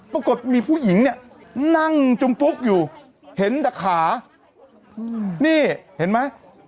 ปรากฏมีผู้หญิงเนี่ยนั่งจุมฟุกอยู่เห็นแต่ขานี่เห็นไหม